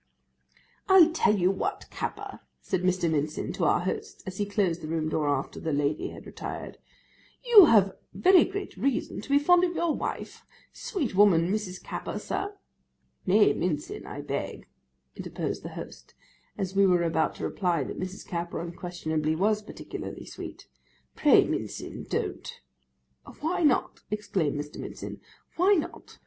'I'll tell you what, Capper,' said Mr. Mincin to our host, as he closed the room door after the lady had retired, 'you have very great reason to be fond of your wife. Sweet woman, Mrs. Capper, sir!' 'Nay, Mincin—I beg,' interposed the host, as we were about to reply that Mrs. Capper unquestionably was particularly sweet. 'Pray, Mincin, don't.' 'Why not?' exclaimed Mr. Mincin, 'why not?